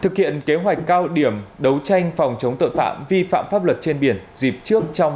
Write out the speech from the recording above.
thực hiện kế hoạch cao điểm đấu tranh phòng chống tội phạm vi phạm pháp luật trên biển dịp trước trong